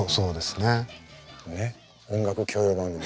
ねっ音楽教養番組